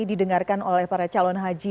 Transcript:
didengarkan oleh para calon haji